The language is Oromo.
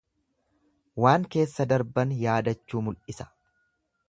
Waan keessa darban yaadachuu mul'isa.